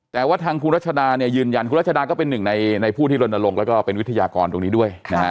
แต่ว่าทางคุณรัชดาเนี่ยยืนยันคุณรัชดาก็เป็นหนึ่งในผู้ที่ลนลงแล้วก็เป็นวิทยากรตรงนี้ด้วย